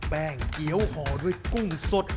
เกี้ยวห่อด้วยกุ้งสด